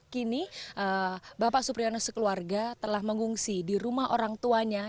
kini bapak supriyono sekeluarga telah mengungsi di rumah orang tuanya